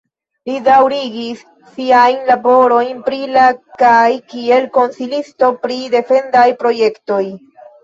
Li daŭrigis siajn laborojn pri la kaj kiel konsilisto pri defendaj projektoj.